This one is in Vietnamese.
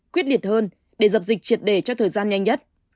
quyết liệt hơn để dập dịch triệt đề cho thời gian nhanh nhất